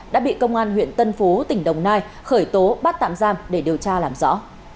đã bị công an huyện tân phú tỉnh đồng nai khởi tố bắt tạm giam để điều tra làm rõ